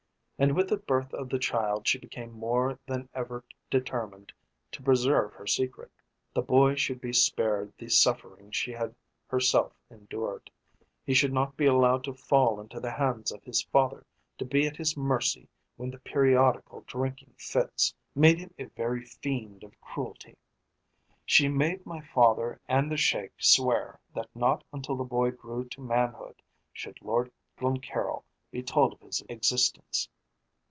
And with the birth of the child she became more than ever determined to preserve her secret. The boy should be spared the suffering she had herself endured, he should not be allowed to fall into the hands of his father to be at his mercy when the periodical drinking fits made him a very fiend of cruelty. She made my father and the Sheik swear that not until the boy grew to manhood should Lord Glencaryll be told of his existence.